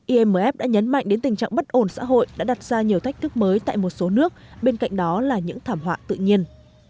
imf đã nhấn mạnh đến tình trạng bất ổn xã hội đã đặt ra nhiều thách thức mới tại một số nước bên cạnh đó là những thảm họa tự nhiên